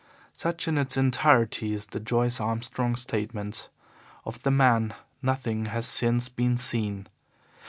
Such in its entirety is the Joyce Armstrong Statement. Of the man nothing has since been seen.